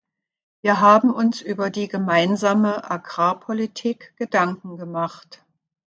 Wir haben uns über die Gemeinsame Agrarpolitik Gedanken gemacht.